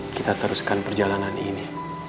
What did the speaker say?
kita teruskan perjalanan ini